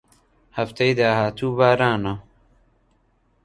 هەفتەی داهاتوو بارانە.